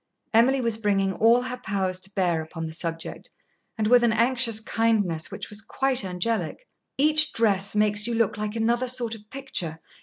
Emily was bringing all her powers to bear upon the subject, and with an anxious kindness which was quite angelic. "Each dress makes you look like another sort of picture.